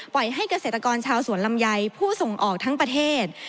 ให้เกษตรกรชาวสวนลำไยผู้ส่งออกทั้งประเทศ